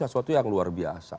sesuatu yang luar biasa